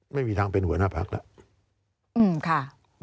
ไม่มีทางเป็นหัวหน้าพักแล้ว